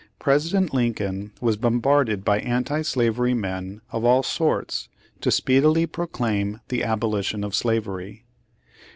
President Lincoln was bom barded by anti slavery men of all sorts to speedily proclaim the abolition of slavery.